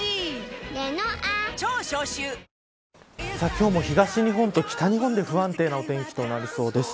今日も東日本と北日本で不安定な天気となりそうです。